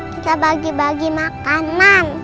kita bagi bagi makanan